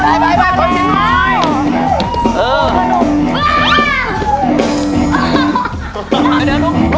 ไปเดินลงมานี่